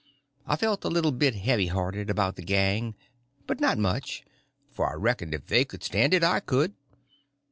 I felt a little bit heavy hearted about the gang, but not much, for I reckoned if they could stand it I could.